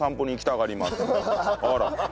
あら。